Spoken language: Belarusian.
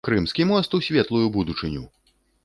Крымскі мост у светлую будучыню!